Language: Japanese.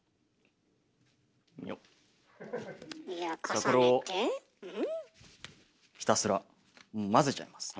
じゃこれをひたすら混ぜちゃいます。